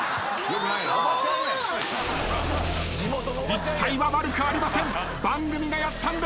自治体は悪くありません。